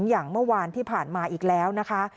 อย่างเมื่อวานที่ผ่านมาอีกแล้วนะคะ